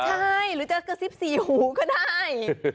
ใช่หรือจะกระซิบสี่หูก็ได้